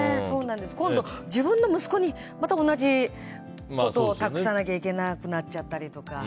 今度、自分の息子にまた同じことを託さなきゃいけなくなっちゃったりとか。